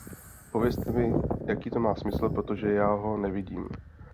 Povězte mi, jaký to má smysl, protože já ho nevidím.